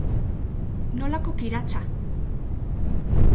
Nolako kiratsa!